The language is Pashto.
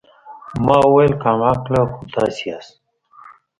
ما وويل کم عقله خو تاسې ياست.